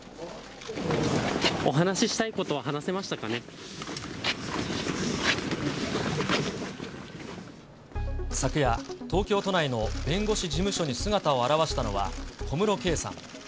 お話ししたいことを話せまし昨夜、東京都内の弁護士事務所に姿を現したのは小室圭さん。